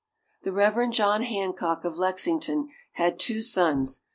The Reverend John Hancock of Lexington had two sons.